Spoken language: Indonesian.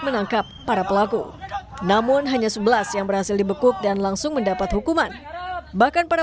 menangkap para pelaku namun hanya sebelas yang berhasil dibekuk dan langsung mendapat hukuman bahkan para